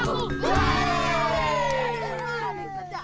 kampung batara kampung batataman milba belajar gerdas tanpa batas